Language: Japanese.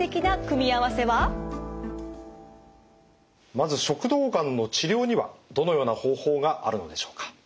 まず食道がんの治療にはどのような方法があるのでしょうか。